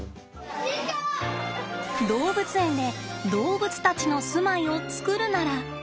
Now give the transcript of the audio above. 動物園で動物たちの住まいを作るなら。